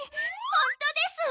ほんとです。